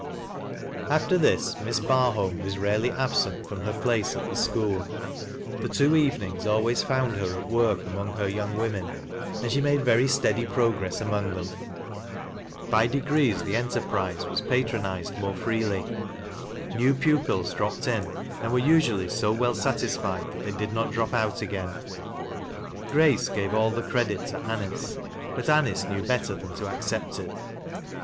After this, Miss Barholm was rarely absent from hei place at the school. The two evenings a.'ways found hei at work among her young women, and ^he made ver) steady progress among them. By degrees the entei prise was patroniax: more freely. New pupils dropped in, and were usually so well satisiied that they did not drop out again. G rftce i^ave all the credit to Anice, but Anice knew better thaT> to accept it.